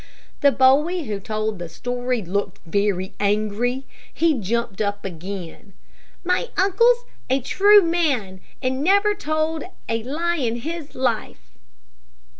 The boy who told the story looked very angry He jumped up again. "My uncle's a true man, Phil. Dodge, and never told a lie in his life."